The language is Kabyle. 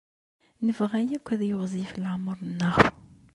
Nebɣa akk ad yiɣzif leɛmeṛ-nneɣ.